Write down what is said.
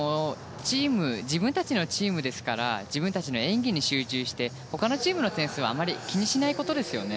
自分たちのチームですから自分たちの演技に集中して他のチームの点数はあまり気にしないことですよね。